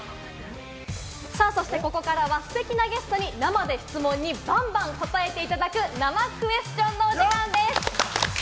そして、ここからはステキなゲストに生で質問にバンバン答えていただく、生クエスチョンの時間です。